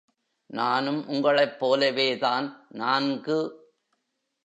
நானும் உங்களைப்போலவேதான் நான்கு.